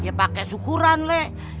ya pake sukuran leh